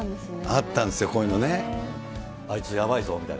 あったんですよ、こういうのあいつ、やばいぞみたいな。